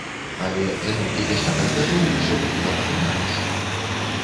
Але за нейкі дзясятак гадоў усё крута памянялася.